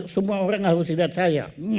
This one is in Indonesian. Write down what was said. semua orang harus lihat saya